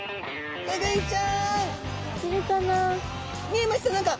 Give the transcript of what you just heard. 見えました何か。